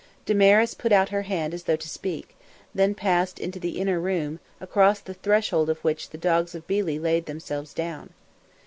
Damaris put out her hand as though to speak, then passed into the inner room, across the threshold of which the dogs of Billi laid themselves down.